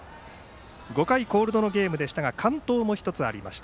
５回コールドのゲームでしたが完投も１つありました。